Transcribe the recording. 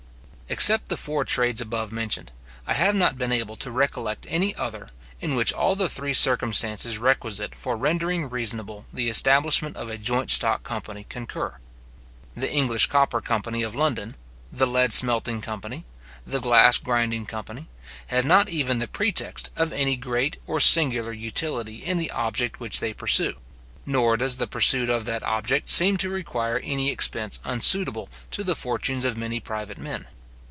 Except the four trades above mentioned, I have not been able to recollect any other, in which all the three circumstances requisite for rendering reasonable the establishment of a joint stock company concur. The English copper company of London, the lead smelting company, the glass grinding company, have not even the pretext of any great or singular utility in the object which they pursue; nor does the pursuit of that object seem to require any expense unsuitable to the fortunes of many private men.